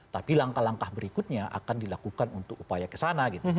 tapi langkah langkah berikutnya akan dilakukan untuk upaya kesana gitu